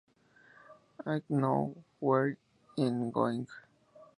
I Know Where I'm Going!